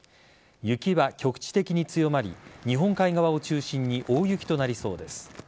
雪は局地的に強まり日本海側を中心に大雪となりそうです。